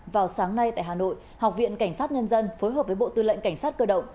vào sáng nay tại hà nội học viện cảnh sát nhân dân phối hợp với bộ tư lệnh cảnh sát cơ động